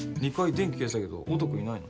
電気消えてたけど音くんいないの？